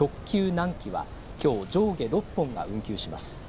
南紀はきょう上下６本が運休します。